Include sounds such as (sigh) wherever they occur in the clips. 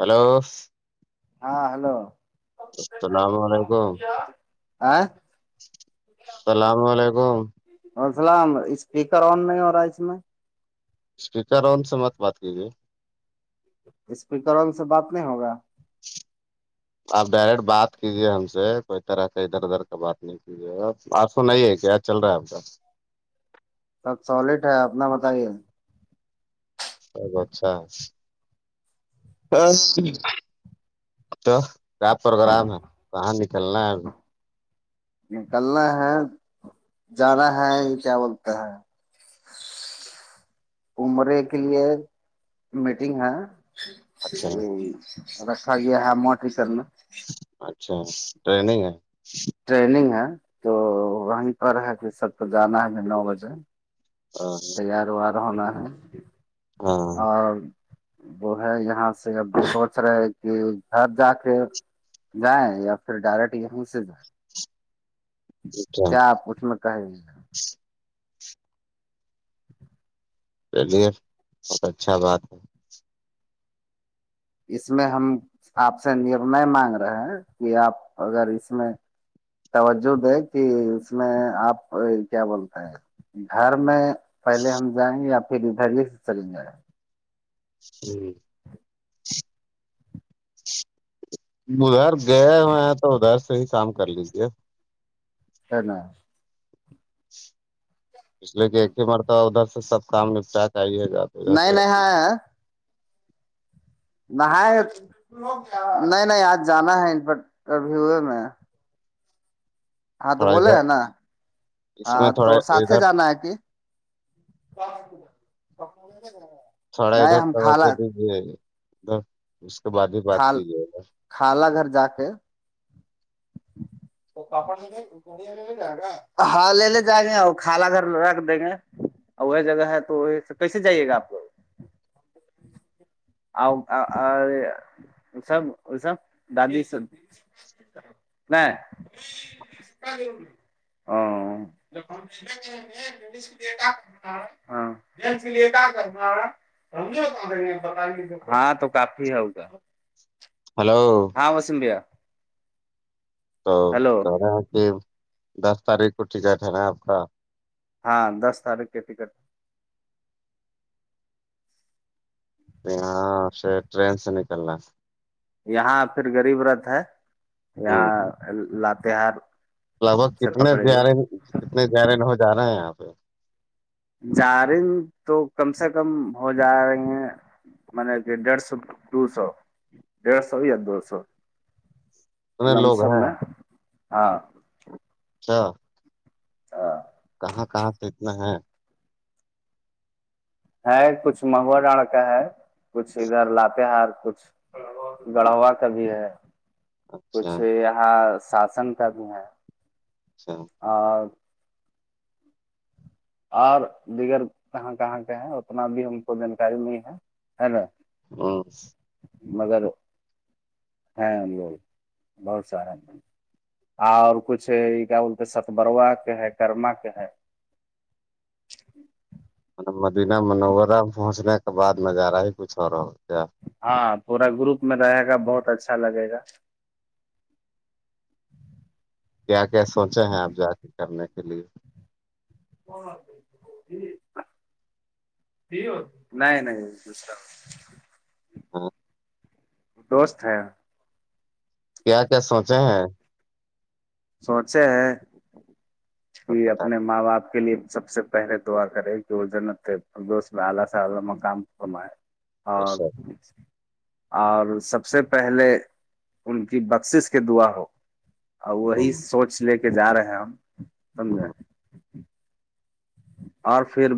Hello ہاں hello السلام علیکم السلام علیکم وسلام اسپیکر آن نہیں ہو رہا ہے اس میں اسپیکر اون سے مت بات کییے اسپیکر سے بات نہیں ہوگا آپ ڈائریکٹ بات کیجیے ہم سے کوئی طرح کا ادھر ادھر کا بات نہیں جب آپ سنائیے کیا چل رہا ہے آپ کا سب سالڈ ہے اپنا بتائیے اچھا تو کیا پروگرام ہے کہاں نکلنا ہے ابھی نکلنا ہے جانا ہے یہ کیا بولتا ہے عمرے کے لیے میٹنگ ہے اچھا ا را گ ہے مٹری سر میں اچھا ٹریگ ہے ٹریننگ ہے تو وہیں پر ہے کہ سب کو جانا ہے نو بجے ہاں پاروار ہونا ہے ہاں، اور وہ ہے یہاں سے اب سوچ رہے کہ گھر جا کے جائیں یا پھر ڈائریکٹ یہیں سے جائیں اچھا کیاپوس میں کہ چلیے اچھا بات ہے اس میں ہم آپ سے نرنے مانگ رہے ہیں کہ آپ اگر اس میں توجہ دے کہ اس میں آپ کیا بولتے ہیں گھر میں پہلے ہم جائیں گے یا پھر ادھرے سے چل جائیں جی ادھر گئے ہوئے ہیں تو ادھر سے ہی کام کر لیجیے ہے نا اس لیے کہ ایک ہی مرتب ادھر سے سب کام نپٹا چاہیے جد نہیں نہیں ہاں نہ نہیں نہیں آج جانا ہے ان پر ابھی ہوئے میں ہاں تو تھوڑا بولے ادھر ہے نا اس ہاں میں تھوڑا تو ساتھ ادھر جانا ہے کہ کیا متی ک مغیر ہے سڑا ادھر توجہ دیجیے ادھر اس کے بعد ہی بات کیجے ادھر کالا گھر جا کے تو کپڑ ہاں لے لے جائیں گے آ کالا گھر رکھ دیں گے اور وہ جگہ ہے تو کیسے جائیے گا آپ کو آ سب ا سب دادی س نہیں ہاں لی کرناا ر ہاں تو کافی ہے ہوگا ہلو ہاں وسیم بھیا تو ہلو کہ رہے ہیں کہ دس تاریخ کو ٹکٹ ہے نا آپ کا ہاں دس تاریخ کے ٹکٹ ناں پے ٹرین سے نکلنا یہاں پھر غریب رت ہے ہ یہاں لااتہار لگ بھگ کتنے زیار کتنے جیارین ہو جا رہا ہیں یہاں پہ جارم تو کم سے کم ہو جا رہے ہیں م کہ ڈیڑھ سو دو سو ڈیھ سو یا دو سو ددد لم سم ن ہاں ہاں ہاں کہاں کہاں سے اتنا ہے ہے کچھ مہوا ڈڑ کا ہے کچھ ادھر لاتہار کچھ گڑھووا کا بھی ہے اچھا کچھ یہاں شاسن کا بھی ہے اچھا اور اور دیگر کہاں کہاں کے ہیں اتنا بھی ہم کو جانکاری نہیں ہے نا ہ مگر ہاں ب ب سارا اور کچھ یہ کیا بولتے ستبروا کے ہے کرما کے ہے م مدینہ منوررہ پہنچنے کے بد نظارہ ہی کچھ ہو رہا کیا ہاں پورا گروپ میں رہے گا بہت اچھا لگے گا کیا کیا سوچے ہیں آپ جا کے کرنے کے لیے نہیں نہیں ہاں دوست ہیں کیا کیا سوچا ہیں سوچا ہے اور کہ بتا اپنے (unintelligible) ہاں سر بالک اور سب سے پہلے ان کی بخشش کے دعا ہو اور وہی ہوں، سوچ لے کے جا رہے ہیں ہم سمجھے ہوں، اور پھر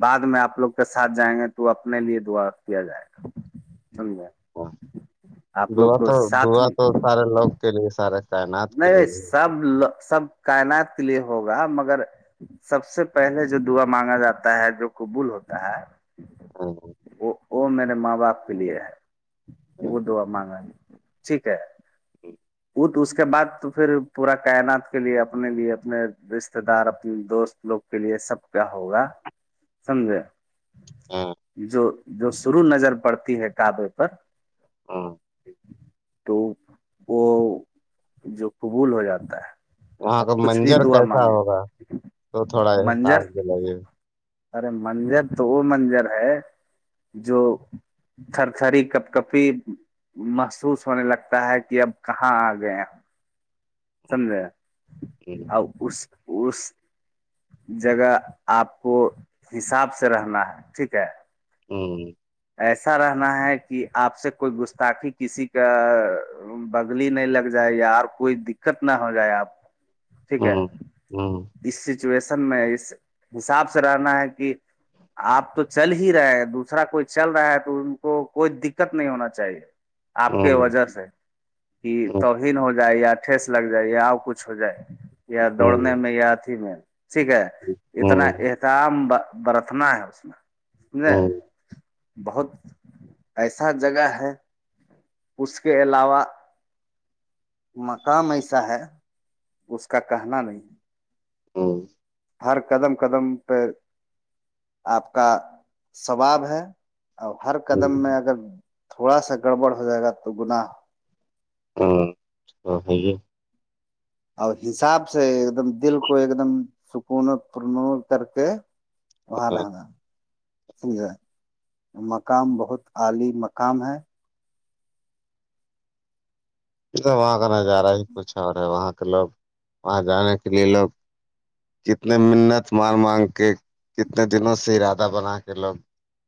بعد میں آپ لوگ کے ساتھ جائیں گے تو اپنے لیے دعا کیا جائے گا سجے ہاں دوا تو دوا تو سارے لوگ کے لیے سارے کائنات کے نہیں لیے بھائی بھی سبو سب کائنات لیے ہوگا مگر سب سے پہلے جو دعا مانگا جاتا ہے جو قبول ہوتا ہے ا ہ وہ وہ میرے ماں باپ کے لیے ہے وہ دعا مانگا ٹھیک ہے تو اس کے کے بع تو پھر پورا کائنات کے لیے اپنے لیے اپنے رشتے دار اپنے دوست لوگ کے لیے سب کیا ہوگا سمجے جو جو شروع نظر پڑتی ہے کعبے پر ہاں تو وہ جو قبول ہو جاتا ہے وہاں اب کا کچھ بھی منجر دعا کیسا مانگے ہوگا تو تھوڑاساف منظر دلے ارے منظر تو وہ منظر ہے جو تھر تھری کپ کپی محسوس ہونے لگتا ہے کہ اب کہاں آ گئے سمجھے ہوں، ہ پس اوس جگہ آپ کو حساب سے رہنا ہے ٹھیک ہے ہوں ایسا رہنا ہے کہ آپ سے کوئی گستاخی کسی کا بگلی نہیں لگ جائے یار کوئی دقت نہ ہو جائے آپ کو، ٹھیک ہے ہوں، ہوں، اس سچویشن میں اس حساب سے رہنا ہے کہ آپ تو چل ہی رہے ہیں دوسرا کوئی چل رہا ہے تو ان کوئی دقت نہیں ہونا چاہیے آپ کے ہوں، وجہ سے کہ ہوں، تو بھین ہو جائے یا ٹھس لگ جائے اور کچھ ہو جائے یا ہوں، دوڑنے ہوں، میں یا اھی میں ٹھیک ہے ہوں، اتنا ام برتنا ہے اس میں سمجے ہوں، بہت ایسا جگہ ہے اس کے علاوہ مقام ایسا ہے اس کا کہنا نہیں ہے ہ ہر قدم قدم پہ آپ کا سثباب ہے ا ہر ہوں، قدم میں اگر تھوڑا سا گڑبڑ ہو جائے گا تو گنااہ ہاں تو اور حساب سے ایک دم دل کو ایک دم سکون و پرنو کر کے وہاں د ہاں داں ہے مقام بہت اعاللی مقام ہے یہ تو وہاں کا نظارہ ہی کچھ اور ہے وہاں کے لوگ وہاں جانے کے لیے لوگ کتنے منت مار مانگ کے کتنے دنوں سے ارادہ بنا کے لوگ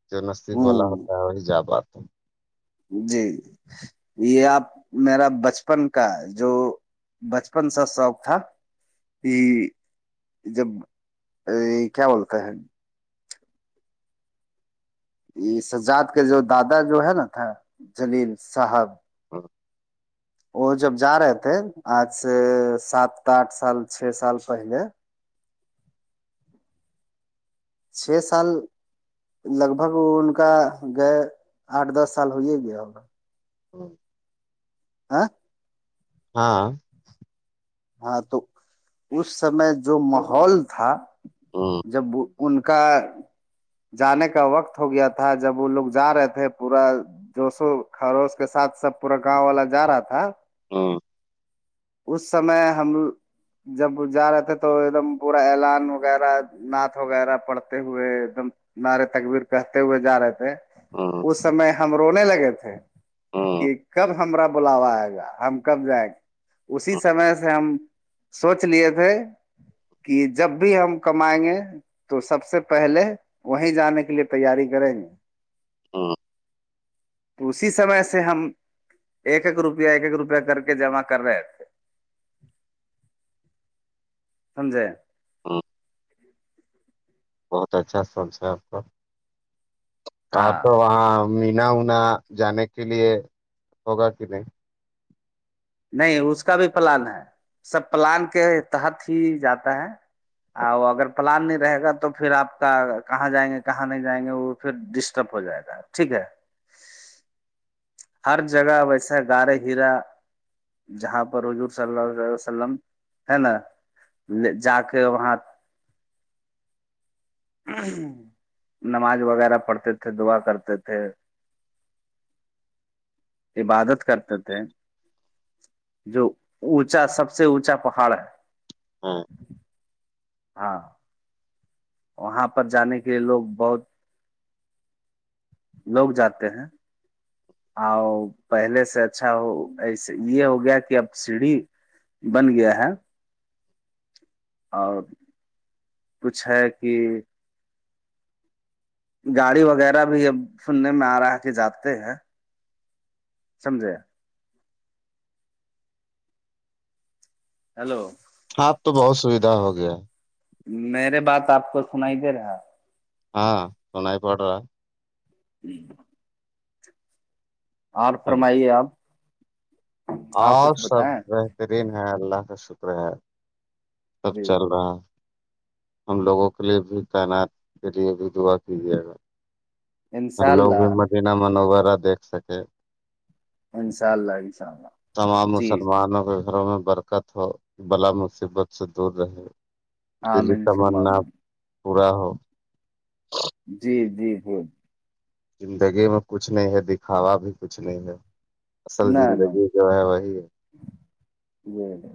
جو نصیب بولا ہوں ہوتا ہے وہی جا بات تو جی یہ آپ میرا بچپن کا جو بچپن سا شوق تھا ج جب کیا بولتا ہے یہ سجاد کا جو دادا جو ہے نا تھا جلیل صاحب ہاں وہ جب جا رہے تھے آج سے سات آٹھ سال چھ سال پہلے چھ سال لگ بھگ ان کا گئے آٹھ دس سال ہو ہی گیا ہوگا ہوں، ہاں ہاں ہاں تو اس سمے جو محول تھا ہوں جب ان کا جانے کا وقت ہو گیا تھا جب وہ لوگ جا رہے تھے پورا جوشو خروش کے ساتھ سب پورا گاؤں والا جا رہا تھا ا اس سمے ہم جب جا رہے تھے تو ایک دم پورا اعلان وغیرہ نعت وغیرہ پڑھتے ہوئے ایک دم نعرے تقبیر کہتے ہوئے جا رہے تھے ہوں اس سمے ہم رونے لگے تھے ہوں کہ کب ہمرا بلاوا آئے گا ہم کب جائیں گے اس ہوں سمے سے ہم سوچ لیے تھے کہ جب بھی ہم کمائیں گے تو سب سے پہلے وہیں جانے کے لیے تیاری کریں گے ہاں اسی سمے سے ہم ایک ایک روپیہ ایک ایک روپیہ کر کے جمع کر رہے سمجے ہوں۔ بہت اچھا سبس ہے آپ کا آپ تو ہاں وہاں مینا ونا جانے کے لیے ہوگا کہ نہیں نہیں اس کا بھی پلان ہے سب پلان کے تحت ہی جاتا ہے وہ اگر پلان نہیں رہے گا تو پھر آپ کا کہاں جائیں گے کہاں نہیں جائیں گے وہ پھر ڈسٹرب ہو جائے گا ٹھیک ہے ہر جگہ ویسے گارے ہیرا جہاں پر حضور صلی ال ع وسلم ہے نا جا کے وہاں نماز وغیرہ پڑھتے تھے دعا کرتے تھے عبادت کرتے تھے جو اونچا سب سے اونچا پہاڑ ہے ہاں ہاں وہاں پر جانے کے لیے لوگ بہت لوگ جاتے ہیں اور پہلے سے اچھا ہو ایسے یہ ہو گیا کہ اب سیڑھی بن گیا ہے اور پوچھا ہے کہ گاڑی وغیرہ بھی اب سننے میں آ رہا ہے کہ جاتے ہیں سمجے ہیلو ہاںپ تو بہت سویدھا ہو گیا میرے بات آپ کو سن ہی دے رہا ہاں سناائی پڈا ہ اور چلو فرمائیے آپ آپ اور کچھ سب بتائیں بہترین ہے اللہ کا شکر ہے تب جی چل رہا ہم لوگوں کے لیے بھی تعینات کے لیے بھی دعا کیجیے گا ہم انشاء لوگ بھی اللہ مدینہ منوغورہ دیکھ سکے انشاء اللہ انشاء اللہ تمام جی مسلمانوں کے گھروں میں برف دقت ہو بلا مصبت سے دور رہے ہاں دلی میں نے سنا تمنا پورا ہو جی جی جی زندگی میں کچھ نہیں ہے دکھاوا بھی کچھ نہیں ہے اصل زندگی جو ہے وہی جی ج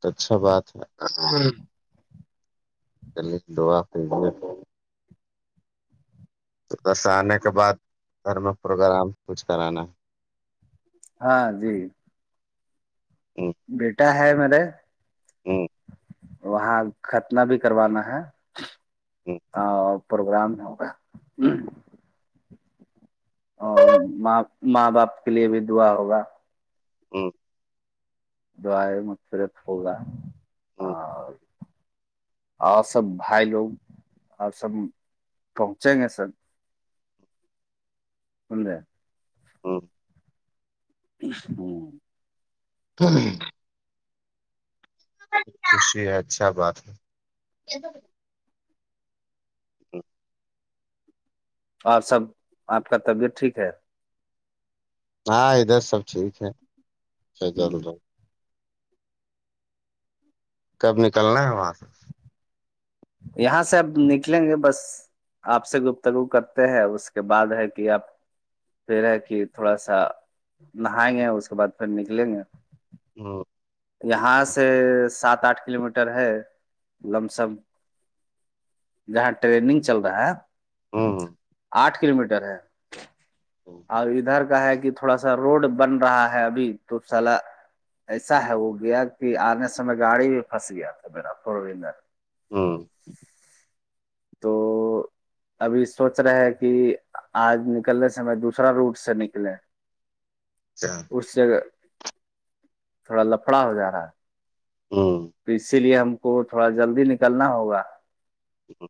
تو اچھا بات ہے ہ کلی دعا ہو جیئے بس آنے کے بعد دھرم پروگرام کچھ کرانا ہاں جی ہوں بیٹا ہے مرے ہوں وہاں ختناہ بھی کروانا ہے ہوں اور پروگرام میں ہوگا ا ماں ماں باپ کے لیے بھی دعا ہوگا ہاں جوار م سورت ہوگا ہوں اور اور سب بھائی لوگ اور سب پہنچیں گے سب انا ہ ہوں س رہ خوشی ہے اچھا بات ہے اچ اور سب آپ کا طبیعت ٹھیک ہے ہاں ادھر سب ٹھیک ہے جلد تب نکلنا ہے وہاں سے یہاں سے اب نکلیں گے بس آپ سے گفتگو کرتے ہیں اس کے بعد ہے کہ آپ پھر ہے کہ تھوڑا سا نہائیں گے اس کے بعد پھر نکلیں گے ہ یہاں سے سات آٹھ کلو میٹر ہے لم سم جہاں ٹریڈنگ چل رہا ہے ہاں ہاں آٹھ کلو میٹر ہے اور ادھر کا ہے کہ تھوڑا سا روڈ بن رہا ہے ابھی تو سال ایسا ہے وہ گیا کہ آنے سمے گاڑی بھی پھنس گیا تھا میرا فور ویلر ہوں تو ابھی سوچ رہے ہے کہ آج نکلنے سے میں دوسرا روٹ سے نکلے اچھا اس جگہ تھوڑا لفڑا ہو جا رہا ہے ہ ہ تو اسی لیے ہم کو تھوڑا جلدی نکلنا ہوگا ہ